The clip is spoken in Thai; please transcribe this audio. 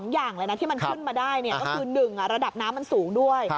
อย่างเลยนะที่มันขึ้นมาได้ก็คือ๑ระดับน้ำมันสูงด้วย